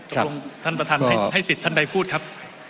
ตกลงท่านประธานให้สิทธิ์ท่านใดพูดครับ